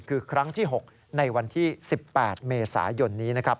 คือครั้งที่๖ในวันที่๑๘เมษายนนี้นะครับ